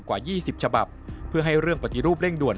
กว่า๒๐ฉบับเพื่อให้เรื่องปฏิรูปเร่งด่วน